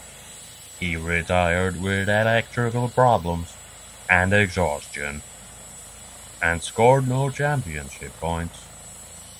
He retired with electrical problems and exhaustion, and scored no championship points.